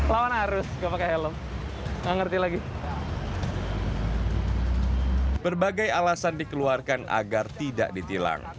lawan arus ke pakai helm nggak ngerti lagi berbagai alasan dikeluarkan agar tidak ditilang